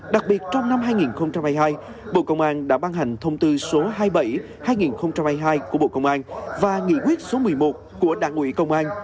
đặc biệt trong năm hai nghìn hai mươi hai bộ công an đã ban hành thông tư số hai mươi bảy hai nghìn hai mươi hai của bộ công an và nghị quyết số một mươi một của đảng ủy công an